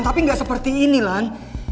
tapi gak seperti ini lan